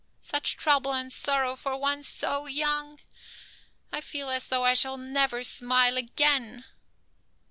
Such trouble and sorrow for one so young! I feel as though I shall never smile again."